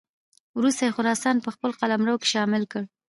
وروسته یې خراسان په خپل قلمرو کې شامل کړ.